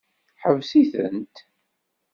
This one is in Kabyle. Ḥbes-itent.